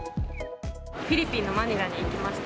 フィリピンのマニラに行きました。